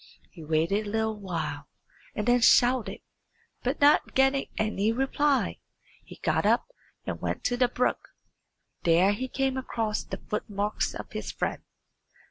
He waited a little while, and then shouted; but not getting any reply, he got up and went to the brook. There he came across the footmarks of his friend.